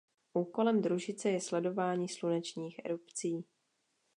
Úkolem družice je sledování slunečních erupcí.